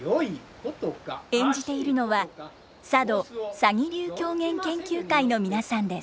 演じているのは佐渡鷺流狂言研究会の皆さんです。